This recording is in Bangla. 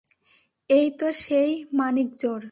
এই তো সেই মানিকজোড়।